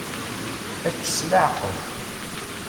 Ečč s leɛqel.